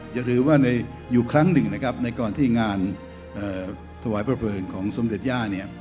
อย่าลืมว่าอยู่ครั้งหนึ่งในกรณ์ที่งานถวายพระเผลินของสมเด็จย่า